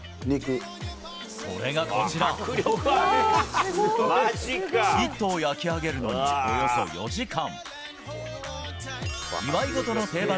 それがこちら、１頭焼き上げるのにおよそ４時間。